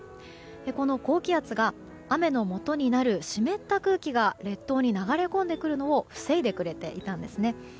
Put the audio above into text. この高気圧が雨のもとになる湿った空気が列島に流れ込んでくるのを防いでくれていたんですね。